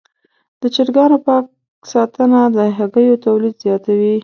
د چرګانو پاک ساتنه د هګیو تولید زیاتوي.